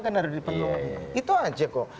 kan ada diperluan itu aja kok